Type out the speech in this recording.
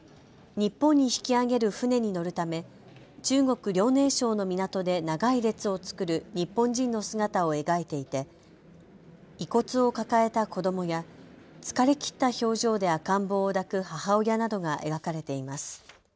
日本に引き揚げる船に乗るため中国・遼寧省の港で長い列を作る日本人の姿を描いていて遺骨を抱えた子どもや疲れ切った表情で赤ん坊を抱く母親などが描かれています。